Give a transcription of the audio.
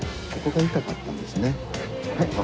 ここが痛かったんですね。